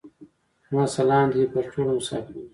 زما سلام دي وې پر ټولو مسافرو.